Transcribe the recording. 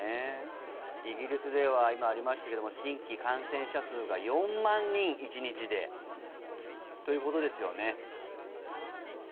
イギリスでは今ありましたけども新規感染者数が４万人、１日でということですよね。